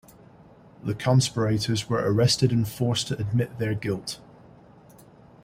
The conspirators were arrested and forced to admit their guilt.